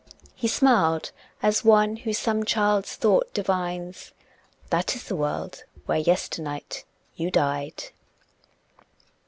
He smiled as one who some child's thought divines: "That is the world where yesternight you died."